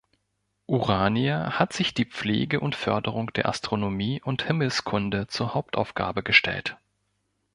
Urania hat sich die Pflege und Förderung der Astronomie und Himmelskunde zur Hauptaufgabe gestellt.